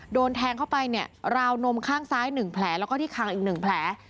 โดนแทงเข้าไปเนี่ยราวนมข้างซ้าย๑แผลแล้วก็ที่คางอีก๑แผล